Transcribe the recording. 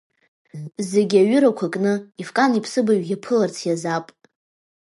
Зегьы аҩырақәа кны, Ефкан иԥсыбаҩ иаԥыларц иаазаап.